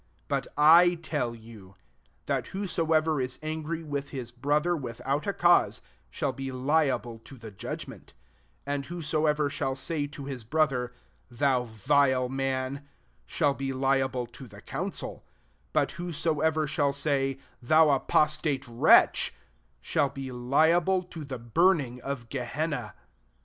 * 22 But I tell you, that whosoever is angry with his brother without a cause, shall be liable to the judgment : and whosoever shall say to his brother, * Thou vile man,' shall be liable to the council : Sut whosoever shall say, < Thou apostate wretch i' shall be liable to the burning of Gehenna.